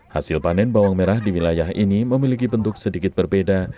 hasil panen bawang merah di wilayah ini memiliki bentuk sedikit berbeda